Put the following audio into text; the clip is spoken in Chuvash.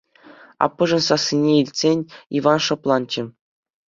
Аппӑшӗн сассине илтсен, Иван шӑпланчӗ.